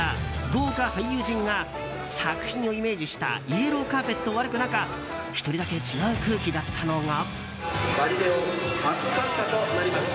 豪華俳優陣が作品をイメージしたイエローカーペットを歩く中１人だけ違う空気だったのが。